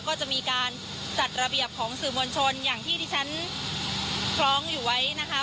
ก็จะมีการจัดระเบียบของสื่อมวลชนอย่างที่ที่ฉันคล้องอยู่ไว้นะคะ